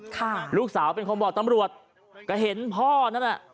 ค่ะลูกสาวเป็นคนบอกตำรวจก็เห็นพ่อนั่นน่ะ